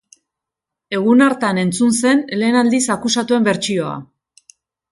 Egun hartan entzun zen lehen aldiz akusatuen bertsioa.